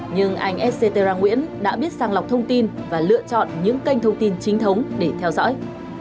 nhưng anh s c t ra nguyễn đã biết sàng lọc thông tin và lựa chọn những kênh thông tin chính thống để theo dõi